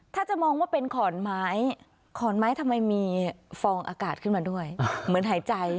ถ้าจะมองว่าเป็นขอนไม้ขอนไม้ทำไมมีฟองอากาศขึ้นมาด้วยเหมือนหายใจ